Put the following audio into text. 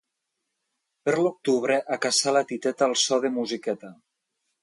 Per l'octubre a caçar la titeta al so de musiqueta.